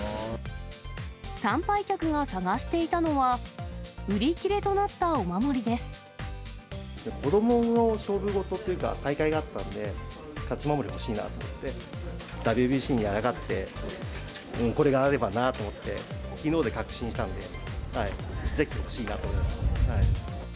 参拝客が探していたのは、子どもの勝負事っていうか、大会があったんで、勝ち守りほしいなと思って、ＷＢＣにあやかって、これがあればなと思って、きのうで確信したんで、ぜひ欲しいなと思いまして。